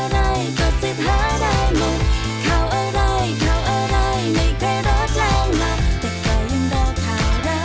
ไม่ได้บอกว่าพี่หนุ่นเลยบอกว่าคุณหนุ่น